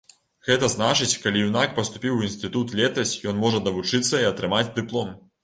Гэта значыць, калі юнак паступіў у інстытут летась, ён можа давучыцца і атрымаць дыплом.